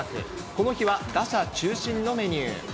この日は打者中心のメニュー。